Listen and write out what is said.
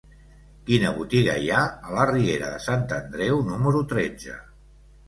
Quina botiga hi ha a la riera de Sant Andreu número tretze?